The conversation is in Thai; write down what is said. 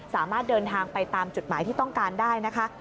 สามารถเดินทางไปตามจุดหมายที่ต้องการได้นะคะ